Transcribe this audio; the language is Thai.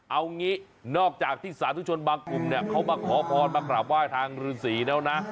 เอางี้นอกจากที่สาธุชนบางกลุ่มเนี่ยเขามาขอพรมากราบไหว้ทางฤษีแล้วนะ